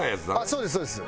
そうですそうです。